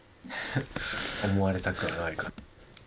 思われたくはないかな。